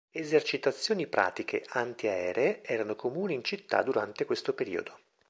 Esercitazioni pratiche antiaeree erano comuni in città durante questo periodo.